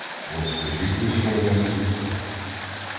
О, скажіть лише одне слівце.